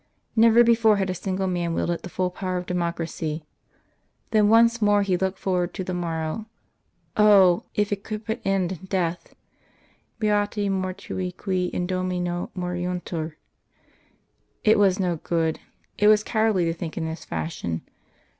Never before had a single man wielded the full power of democracy. Then once more he looked forward to the morrow. Oh! if it could but end in death!... Beati mortui qui in Domino moriuntur! ... It was no good; it was cowardly to think in this fashion.